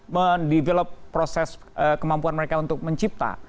mendevelop proses kemampuan mereka untuk mencipta